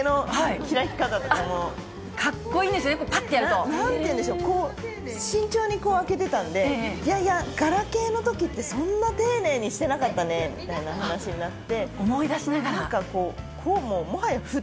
かっこいいんですよね、なんていうんでしょう、こう、慎重にこう開けてたんで、いやいや、ガラケーのときって、そんな丁寧にしてなかったねみたいな話になって。